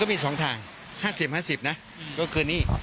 ก็มีสองทางฮาสิบฮาสิพนะก็คือนี้